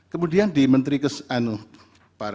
kemudian di bawah itu ada yang menyebutkan yang mana